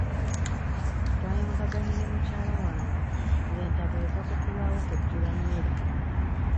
Twayombaganye ne mukyala wange nga entabwe eva kukulwawo kujjula mmere.